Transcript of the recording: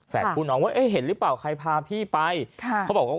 ผู้น้องว่าเอ๊ะเห็นหรือเปล่าใครพาพี่ไปค่ะเขาบอกว่า